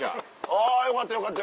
あよかったよかった。